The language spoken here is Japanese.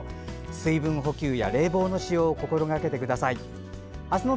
水分補給や冷房の使用を心がけてください。